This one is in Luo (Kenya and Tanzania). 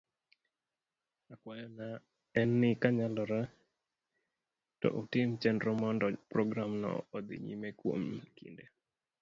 Akwayo na en ni kanyalore to utim chenro mondo programno odhi nyime kuom kinde